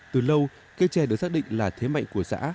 từ lâu cây trẻ được xác định là thế mạnh của xã